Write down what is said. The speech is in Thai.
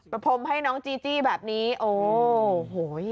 พรมให้น้องจีจี้แบบนี้โอ้โห